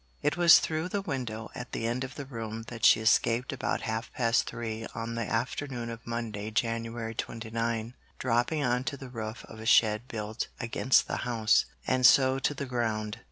It was through the window at the end of the room that she escaped about half past three on the afternoon of Monday January 29, dropping on to the roof of a shed built against the house, and so to the ground.